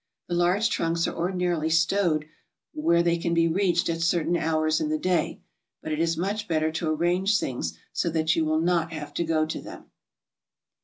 The large trunks | are ordinarily stowed where they can be reached at certain ? hours in the day, but it is much better to arrange things so \ that you will not have to go to them.